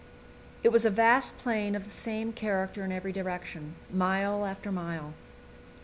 It was a vast plain of the same character in every direction, mile after mile.